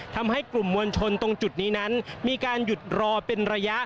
ทำให้กลุ่มมวลชนตรงจุดนี้นั้นมีการหยุดรอเป็นระยะ